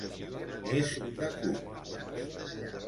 És de Cook.